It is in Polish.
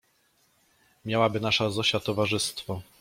Miałaby nasza Zosia towarzystwo.